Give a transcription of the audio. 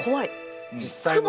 実際のね。